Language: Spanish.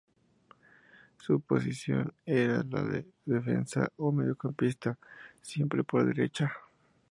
Su posición era la de defensa o mediocampista, siempre por derecha.